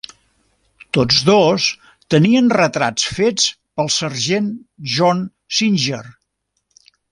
Tots dos tenien retrats fets pel sergent John Singer.